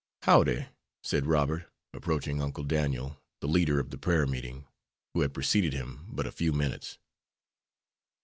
"Howdy," said Robert, approaching Uncle Daniel, the leader of the prayer meeting, who had preceded him but a few minutes.